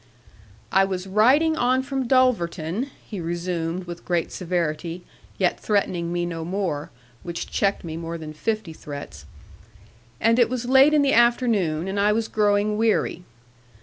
'I was riding on from Dulverton,' he resumed, with great severity, yet threatening me no more, which checked me more than fifty threats: 'and it was late in the afternoon, and I was growing weary.